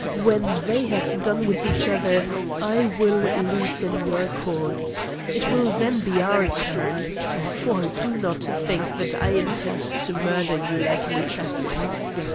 When they have done with each other I will loosen your cords. It will then be our turn. For do not think that I intend to murder you like an assassin.